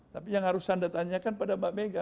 tapi yang harus anda tanyakan pada mbak mega